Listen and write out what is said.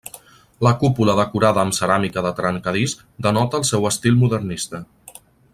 La cúpula decorada amb ceràmica de trencadís denota el seu estil modernista.